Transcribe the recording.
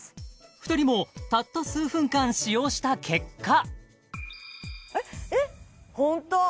２人もたった数分間使用した結果ホント！